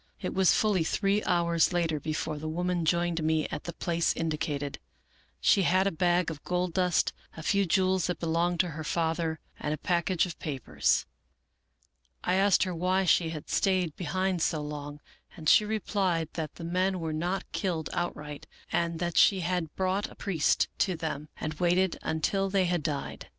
" It was fully three hours later before the woman joined me at the place indicated. She had a bag of gold dust, a few jewels that belonged to her father, and a package of papers. I asked her why she had stayed behind so long, and she replied that the men were not killed outright, and that she had brought a priest to them and waited until they had died.